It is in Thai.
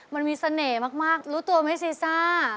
มันมีเสน่ห์มากรู้ตัวไหมซีซ่า